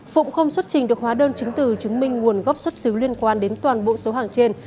phụng không xuất trình được hóa đơn chứng từ chứng minh nguồn gốc xuất xứ liên quan đến toàn bộ số hàng trên